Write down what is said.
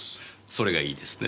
それがいいですねえ。